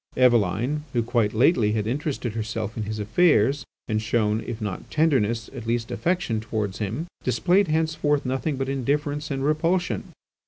Eveline, who quite lately had interested herself in his affairs, and shown, if not tenderness, at least affection, towards him, displayed henceforth nothing but indifference and repulsion.